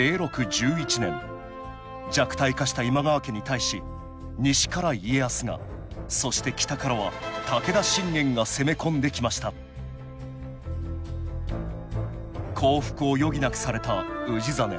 弱体化した今川家に対し西から家康がそして北からは武田信玄が攻め込んできました降伏を余儀なくされた氏真。